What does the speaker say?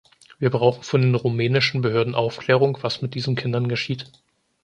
Wir brauchen von den rumänischen Behörden Aufklärung, was mit diesen Kindern geschieht.